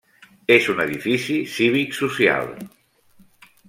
És un edifici cívic social.